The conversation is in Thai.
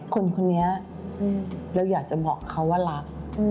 คนนี้เราอยากจะบอกเขาว่ารัก